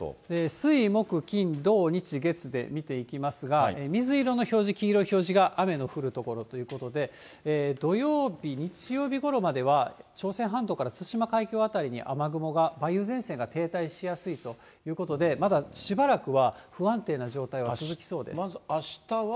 水、木、金、土、日、月で見ていきますが、水色の表示、黄色い表示が雨の降る所ということで、土曜日、日曜日ごろまでは朝鮮半島から対馬海峡辺りに雨雲が、梅雨前線が停滞しやすいということで、まだしばらくは不安定な状まずあしたは。